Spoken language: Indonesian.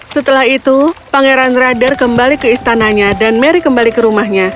setelah itu pangeran radar kembali ke istananya dan mary kembali ke rumahnya